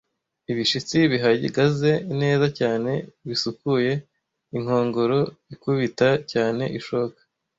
Ibishitsi bihagaze neza cyane bisukuye, inkongoro ikubita cyane ishoka,